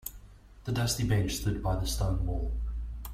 The dusty bench stood by the stone wall.